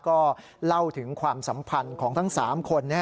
ก็เล่าถึงความสัมพันธ์ของทั้ง๓คน